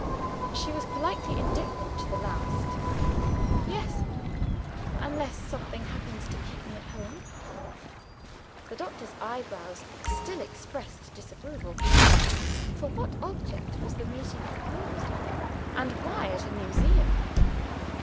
She was politely indifferent to the last. "Yes unless something happens to keep me at home." The doctor's eyebrows still expressed disapproval. For what object was the meeting proposed? And why at a museum?